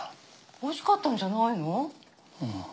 ほしかったんじゃないの？